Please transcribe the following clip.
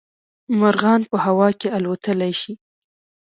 مارغان په هوا کې الوتلی شي